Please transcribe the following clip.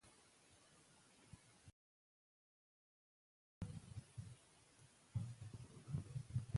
کله چې خلک واورېدل شي، اعتراضونه تاوتریخوالي ته نه ځي.